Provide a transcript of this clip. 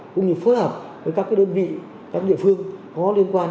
cũng như phối hợp với các đơn vị các địa phương có liên quan